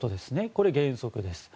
これ、原則です。